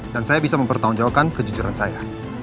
dan saya bisa mempertahunjaukan kejujuran saya